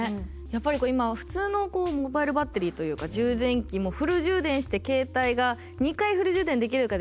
やっぱり今普通のモバイルバッテリーというか充電器もフル充電して携帯が２回フル充電できるかできないかぐらいなんで。